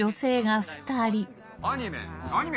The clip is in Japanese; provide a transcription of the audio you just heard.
アニメ？